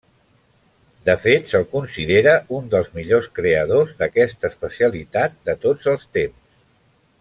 De fet, se'l considera un dels millors creadors d'aquesta especialitat de tots els temps.